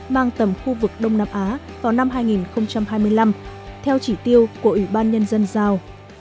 mang tầm khu vực đông nam á vào năm hai nghìn hai mươi năm theo chỉ tiêu của ủy ban nhân dân giao